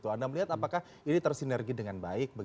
anda melihat apakah ini tersinergi dengan baik